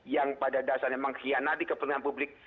yang pada dasarnya mengkhianati kepentingan publik